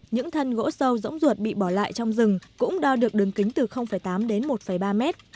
những thân gỗ sâu rỗng ruột bị bỏ lại trong rừng cũng đo được đường kính từ tám đến một ba mét